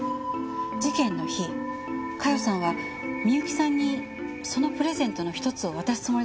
事件の日加代さんは美由紀さんにそのプレゼントの１つを渡すつもりだったようです。